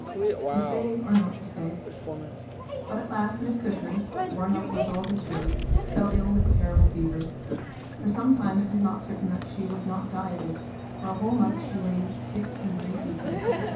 To Stay or not to Stay? But at last Miss Cushman worn out with all this work fell ill with a terrible fever. For some time it was not certain that she would not die of it; for a whole month she lay sick in great weakness.